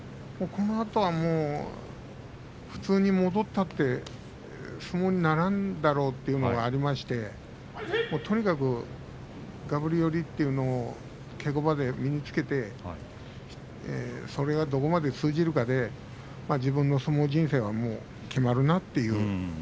このあとは普通に戻ったって相撲にならんだろうというのがあったんでとにかく、がぶり寄りというのを稽古場で身につけてそれがどこまで通じるかで自分の相撲人生が決まるなと。